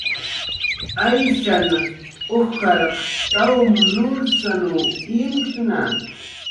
Ayshan ujarq tawm nursanw imktna